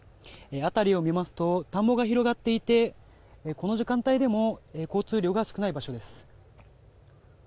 辺りは田んぼが広がっていてこの時間帯でも交通量が少ない場所です。